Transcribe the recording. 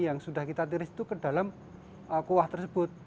yang sudah kita tiris itu ke dalam kuah tersebut